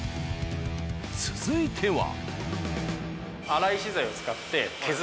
続いては。